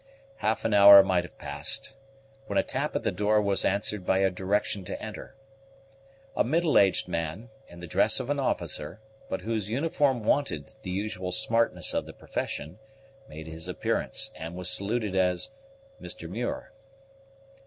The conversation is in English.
Half an hour might have passed, when a tap at the door was answered by a direction to enter. A middle aged man, in the dress of an officer, but whose uniform wanted the usual smartness of the profession, made his appearance, and was saluted as "Mr. Muir."